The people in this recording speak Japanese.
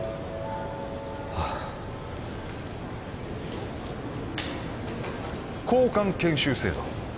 ああ交換研修制度